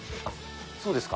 そうですか。